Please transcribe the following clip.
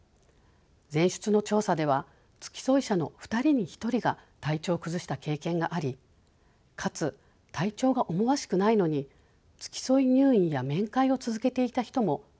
前出の調査では付き添い者の２人に１人が体調を崩した経験がありかつ体調が思わしくないのに付き添い入院や面会を続けていた人も５割強いました。